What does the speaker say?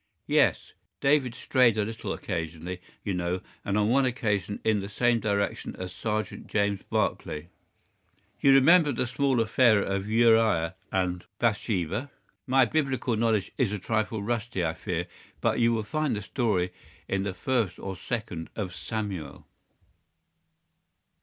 "Yes; David strayed a little occasionally, you know, and on one occasion in the same direction as Sergeant James Barclay. You remember the small affair of Uriah and Bathsheba? My biblical knowledge is a trifle rusty, I fear, but you will find the story in the first or second of Samuel."